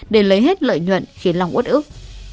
để lấy hết lợi nhuận khiến long út ước